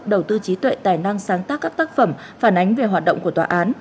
đầu tư trí tuệ tài năng sáng tác các tác phẩm phản ánh về hoạt động của tòa án